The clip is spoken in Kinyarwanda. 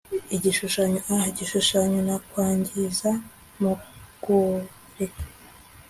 igishushanyo-a-igishushanyo nakwangiza mugoreka